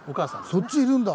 そっちいるんだ？